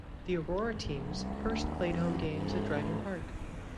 The Aurora teams first played home games at Driving Park.